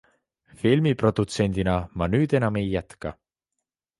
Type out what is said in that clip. Filmiprodutsendina ma nüüd enam ei jätka.